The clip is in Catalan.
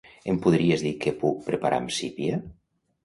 Em podries dir què puc preparar amb sípia?